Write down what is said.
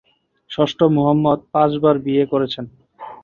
ষষ্ঠ মুহাম্মদ পাঁচবার বিয়ে করেছেন।